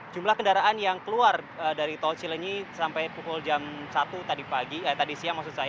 jumlah kendaraan yang keluar dari toh cilenyi sampai pukul jam satu tadi siang